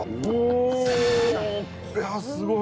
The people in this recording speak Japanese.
すごい！